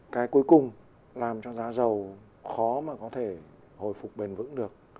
cái cuối cùng làm cho giá dầu khó mà có thể hồi phục bền vững được